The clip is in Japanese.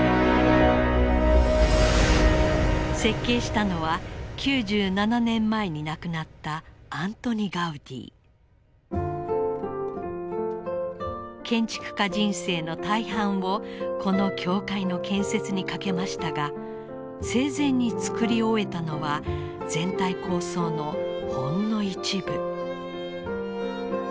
設計したのは９７年前に亡くなった建築家人生の大半をこの教会の建設に懸けましたが生前に造り終えたのは全体構想のほんの一部。